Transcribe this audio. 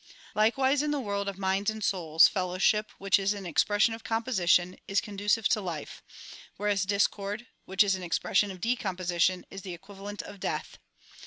Likewise in the world of minds and souls, fellowship, which is an expression of composition is conductive to life ; whereas discord, which is an expression of decomposition is the equivalent of death.